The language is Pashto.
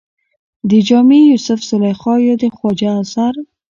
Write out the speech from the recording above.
د جامي يوسف زلېخا يا د خواجه اثر